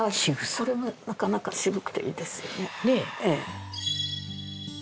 これもなかなか渋くていいですよね。